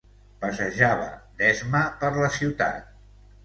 Passejava d'esma per la ciutat.